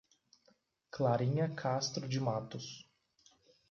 Clarinha Castro de Matos